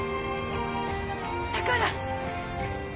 だから